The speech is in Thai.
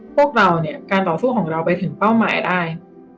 พวกเราเนี่ยการต่อสู้ของเราไปถึงเป้าหมายได้